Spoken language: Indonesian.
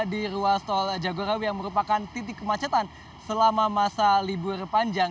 di ruas tol jagorawi yang merupakan titik kemacetan selama masa libur panjang